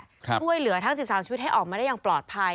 ช่วยเหลือทั้ง๑๓ชีวิตให้ออกมาได้อย่างปลอดภัย